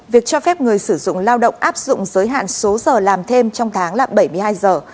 việc cho phép người sử dụng lao động áp dụng giới hạn số giờ làm thêm trong tháng là bảy mươi hai giờ